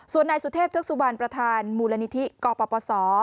ส่วนในสุเทพธุกษุบาลประธานมูลนิธิกปศ